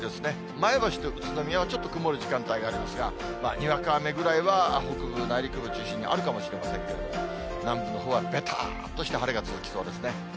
前橋と宇都宮はちょっと曇る時間帯がありますが、にわか雨ぐらいは北部内陸部中心にあるかもしれませんけど、南部のほうはべたーっとした晴れが続きそうですね。